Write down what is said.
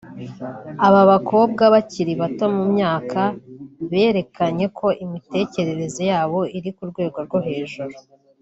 aba bakobwa bakiri bato mu myaka berekanye ko imitekerereze yabo iri ku rwego rwo hejuru